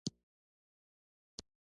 په کتابونو کي ئي ډير تفصيل ذکر شوی دی